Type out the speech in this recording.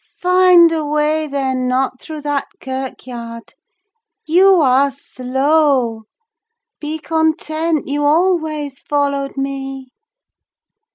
Find a way, then! not through that kirkyard. You are slow! Be content, you always followed me!"